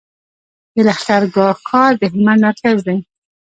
د لښکرګاه ښار د هلمند مرکز دی